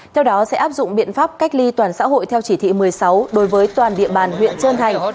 theo đó sẽ áp dụng biện pháp cách ly toàn xã hội theo chỉ thị một mươi sáu đối với toàn địa bàn huyện trơn thành